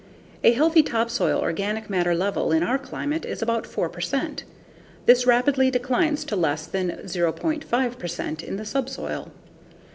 A healthy topsoil organic matter level in our climate is about 4 percent. This rapidly declines to less than 0.5 percent in the subsoil.